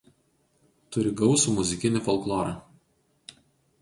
Turį gausų muzikinį folklorą.